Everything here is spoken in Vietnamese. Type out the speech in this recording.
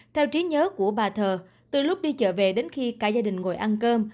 theo trí nhớ của bà thơ từ lúc đi chợ về đến khi cả gia đình ngồi ăn cơm